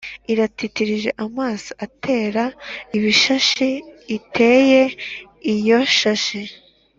Iratitirije amaso atera ibishashi iteye iyo shashi